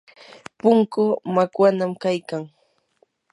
punkuu makwanam kaykan.